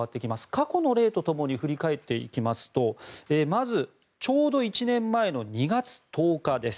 過去の例とともに振り返っていきますとまず、ちょうど１年前の２月１０日です。